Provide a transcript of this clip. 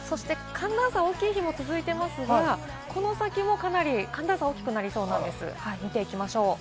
寒暖差が大きい日も続いていますが、この先もかなり寒暖差が大きくなりそうなんです、見ていきましょう。